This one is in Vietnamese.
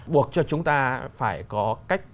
buộc cho chúng ta phải có cách